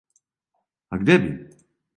А где би?